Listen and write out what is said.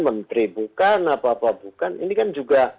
menteri bukan apa apa bukan ini kan juga